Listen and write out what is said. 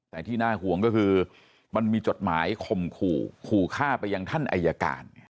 แต่ที่น่าห่วงก็คือมันมีจดหมายข่มขู่ขู่ฆ่าไปยังท่านอายการ